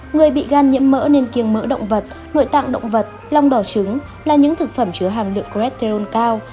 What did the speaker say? người bị gan nhiễm mỡ nên kiêng mỡ động vật nội tạng động vật long đỏ trứng là những thực phẩm chứa hàm lượng crederol cao